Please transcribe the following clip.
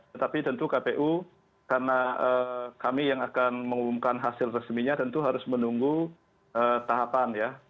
tetapi tentu kpu karena kami yang akan mengumumkan hasil resminya tentu harus menunggu tahapan ya